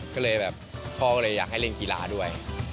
ก็เลยแบบพ่อก็เลยอยากให้เล่นกีฬาด้วย